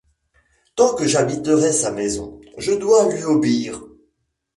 Tant que j’habiterai sa maison, je dois lui obéir.